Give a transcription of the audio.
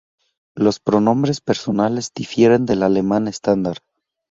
Los pronombres personales difieren del alemán estándar.